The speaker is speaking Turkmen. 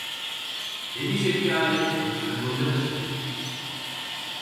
Hemişeki ýaly üns bilen gözden geçirdi.